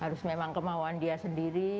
harus memang kemauan dia sendiri